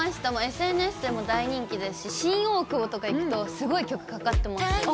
ＳＮＳでも大人気ですし、新大久保とか行くと、すごい曲かかってますよね。